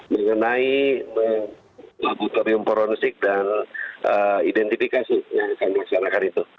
mengenai laboratorium poronisik dan identifikasi yang kami hasilkan itu